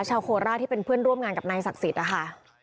โคราชที่เป็นเพื่อนร่วมงานกับนายศักดิ์สิทธิ์นะคะ